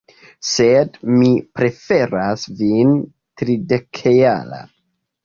Sed mi preferas vin tridekjara.